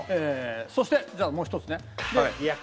そしてじゃあもう一つねいや